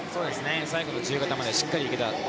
最後の自由形までしっかりいけた。